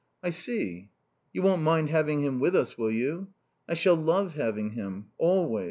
"I see." "You won't mind having him with us, will you?" "I shall love having him. Always.